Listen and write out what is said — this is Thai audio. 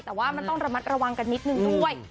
แต่ว่ามันต้องระมัดระวังกันนิดนึงด้วย